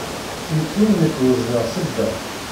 Yettru nekk ur ẓṛiɣ sebba.